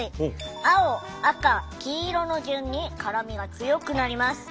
青赤黄色の順に辛みが強くなります。